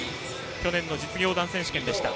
去年の実業団選手権でした。